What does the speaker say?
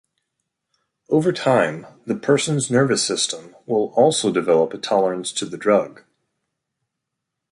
Over time, the person's nervous system will also develop a tolerance to the drug.